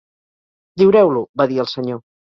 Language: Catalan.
"Lliureu-lo", va dir el senyor.